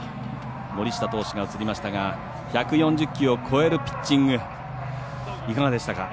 森下投手が映りましたが１４０球を超えるピッチングいかがでしたか？